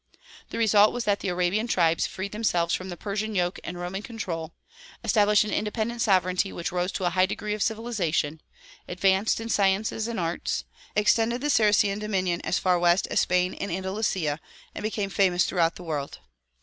The result was that the Arabian tribes freed themselves from the Persian yoke and Roman control, established an independent sovereignty whiph rose to a high degree of civilization, advanced in sciences and arts, extended the Saracen dominion as far west as Spain and Andalusia and became famous throughout the world.